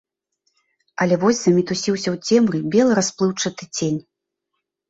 Але вось замітусіўся ў цемры белы расплыўчаты цень.